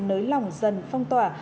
đối với lỏng dần phong tỏa